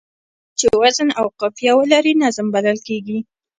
هره وينا چي وزن او قافیه ولري؛ نظم بلل کېږي.